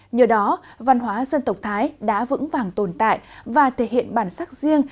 nhờ đó văn hóa dân tộc thái đã vững vàng tồn tại và thể hiện bản sắc riêng